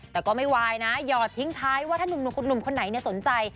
แต่ก็ไม่วายนะหยอดทิ้งท้ายว่าถ้าหนุ่มคนไหนสนใจ